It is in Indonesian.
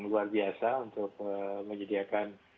luar biasa untuk menyediakan